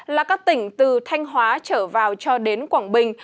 là các tỉnh từ thanh hóa trở vào cho đến quảng bình